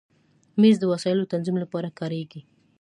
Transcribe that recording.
مېز د وسایلو تنظیم لپاره کارېږي.